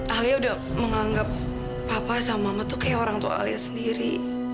ahlinya udah menganggap papa sama mama tuh kayak orang tua alia sendiri